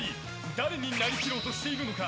誰になりきろうとしているのか。